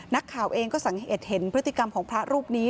นักข่าวเองก็สังเกตเห็นพฤติกรรมของพระรูปนี้